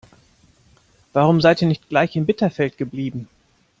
Warum seid ihr nicht gleich in Bitterfeld geblieben?